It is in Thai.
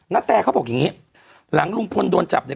นาแตเขาบอกอย่างนี้หลังลุงพลโดนจับเนี่ย